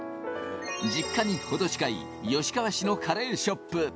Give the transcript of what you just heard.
実家にほど近い吉川市のカレーショップ。